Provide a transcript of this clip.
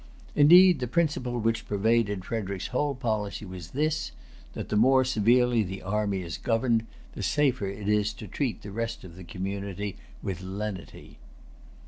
Indeed, the principle which pervaded Frederic's whole policy was this, that the more severely the army is governed, the safer it is to treat the rest of the community with lenity.